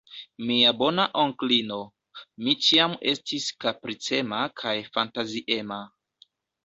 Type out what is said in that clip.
Mia bona onklino, mi ĉiam estis kapricema kaj fantaziema.